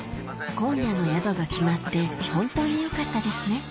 今夜の宿が決まって本当によかったですね